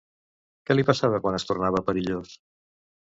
Què li passava quan es tornava perillós?